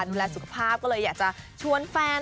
ดูแลสุขภาพก็เลยอยากจะชวนแฟน